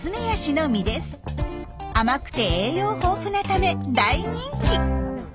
甘くて栄養豊富なため大人気。